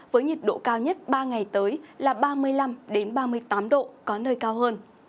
với nhiệt độ cao nhất ba ngày tới là ba mươi năm ba mươi tám độ có nơi cao hơn